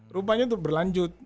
rupanya itu berlanjut